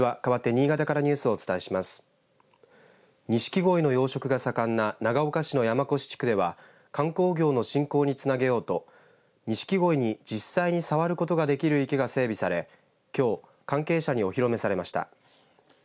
にしきごいの養殖が盛んな長岡市の山古志地区では観光業の振興につなげようとにしきごいに実際に触ることができる池が整備されきょう関係者にお披露目されました。